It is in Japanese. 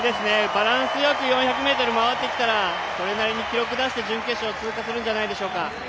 バランスよく４００ｍ回ってきたらそれなりに記録を出して準決勝通過するんじゃないでしょうか。